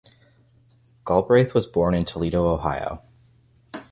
Galbraith was born in Toledo, Ohio.